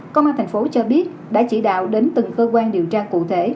công an thành phố cho biết đã chỉ đạo đến từng cơ quan điều tra cụ thể